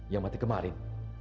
yang mati kemarin